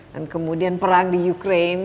kemudian perang di ukraine